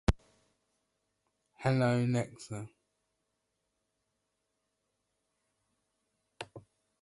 The unincorporated community of Nabob is located in the town.